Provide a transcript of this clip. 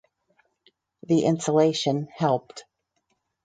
The insulation helped.